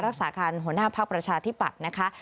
รักษาการหัวหน้าภักดิ์ประชาธิปัตย์นะคะ